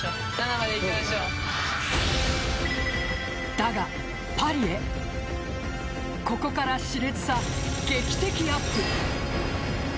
だが、パリへここから熾烈さ、劇的アップ。